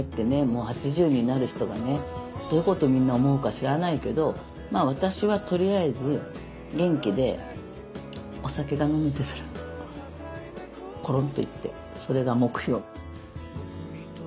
もう８０になる人がねどういうことをみんな思うか知らないけどまあ私はとりあえず元気でお酒が飲めてコロンと逝ってそれが目標。